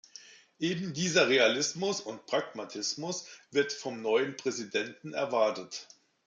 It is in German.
Eben dieser Realismus und Pragmatismus wird vom neuen Präsidenten erwartet.